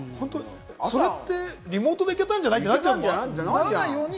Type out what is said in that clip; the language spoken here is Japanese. それってリモートでいけたんじゃない？ってなっちゃいますよね。